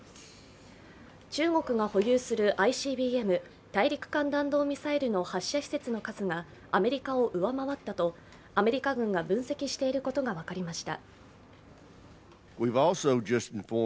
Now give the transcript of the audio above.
中国が保有するＩＣＢＭ＝大陸間弾道ミサイルの発射施設の数がアメリカを上回ったとアメリカ軍が分析していることが分かりました。